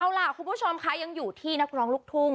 เอาล่ะคุณผู้ชมคะยังอยู่ที่นักร้องลูกทุ่ง